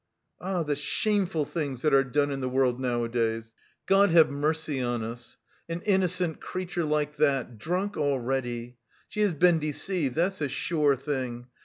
"Ah, the shameful things that are done in the world nowadays, God have mercy on us! An innocent creature like that, drunk already! She has been deceived, that's a sure thing.